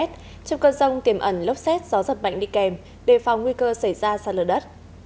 trong cơn rông tiềm ẩn lốc xét gió giật mạnh đi kèm đề phòng nguy cơ xảy ra sạt lở đất